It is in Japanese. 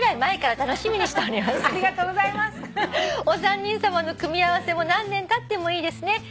「お三人さまの組み合わせも何年たってもいいですね」